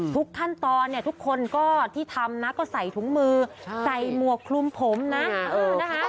ทุกขั้นตอนทุกคนที่ทำก็ใส่ถุงมือใส่มวกครุมผมนะ